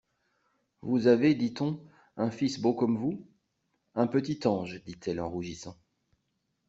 Vous avez, dit-on, un fils beau comme vous ? Un petit ange ! dit-elle en rougissant.